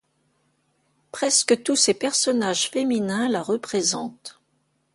Presque tous ses personnages féminins la représentent.